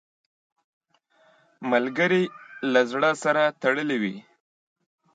ملګری له زړه سره تړلی وي